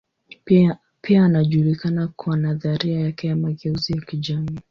Pia anajulikana kwa nadharia yake ya mageuzi ya kijamii.